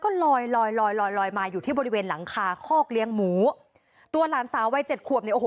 ตอนนี้มันตาสีแดงแล้วมันด่วนแล้วมันแยะโจ๊กใจอยู่